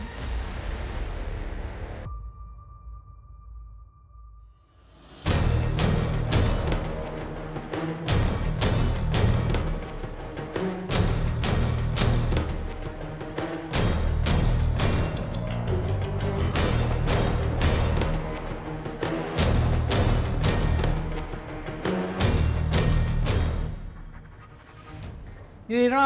สวัสดีค่ะ